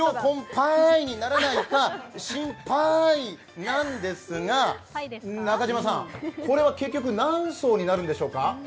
パーイにならないか心パーイなんですが、中島さん、これは結局何層になるんでしょうか？